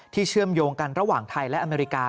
เชื่อมโยงกันระหว่างไทยและอเมริกา